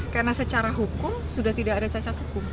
karena secara hukum sudah tidak ada cacat hukum